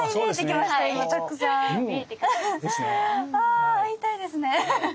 あ会いたいですね。